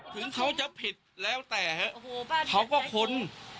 ถึงเขาจะผิดแล้วแต่เขาก็ค้น